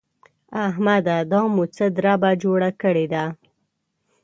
احمده! دا مو څه دربه جوړه کړې ده؟!